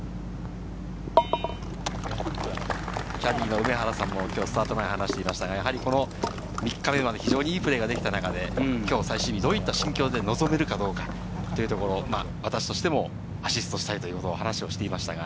キャディーの梅原さんも話していましたが、３日目まで非常にいいプレーができた中で最終日、どういった心境で臨めるかどうか、私としてもアシストしたいと話していました。